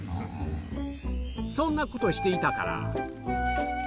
そんなことしていたから。